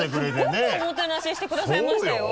すごくおもてなししてくださいましたよ！